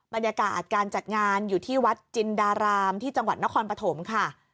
บรรยากาศการจัดงานอยู่ที่วัดจินดารามที่จังหวัดนครปฐมค่ะ